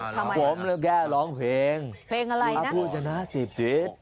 ทำไมนะครับผมแล้วแก่ร้องเพลงนับพูดจะน่าสีบจิต